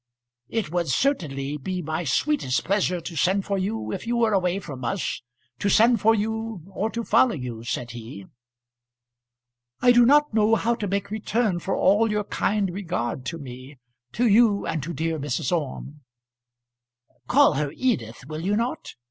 "It would certainly be my sweetest pleasure to send for you if you were away from us, to send for you or to follow you," said he. "I do not know how to make return for all your kind regard to me; to you and to dear Mrs. Orme." "Call her Edith, will you not?